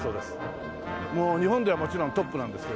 もう日本ではもちろんトップなんですけどね。